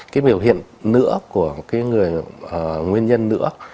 cái biểu hiện nữa của cái nguyên nhân nữa